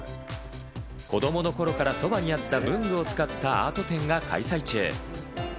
子供の頃からそばにあった文具を使ったアート展が開催中。